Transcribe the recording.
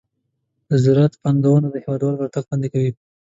د زراعت پانګونه د هېواد راتلونکې خوندي کوي.